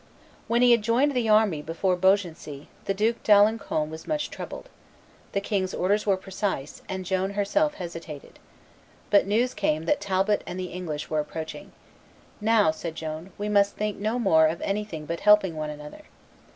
When he had joined the army before Beaugency, the Duke d'Alencon was much troubled. The king's orders were precise, and Joan herself hesitated. But news came that Talbot and the English were approaching. "Now," said Joan, "we must think no more of anything but helping one another."